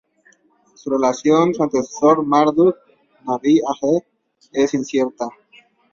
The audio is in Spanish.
Su relación su antecesor, Marduk-nādin-aḫḫe es incierta.